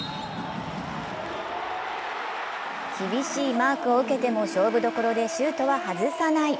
厳しいマークを受けても勝負どころでシュートは外さない。